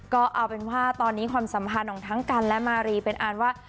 ก็เอาเป็นว่าตอนนี้ความสัมพันธ์ของทั้งกันและมารีเป็นอันว่า